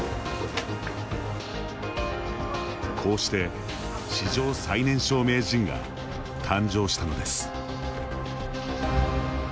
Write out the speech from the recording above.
こうして史上最年少名人が誕生したのです。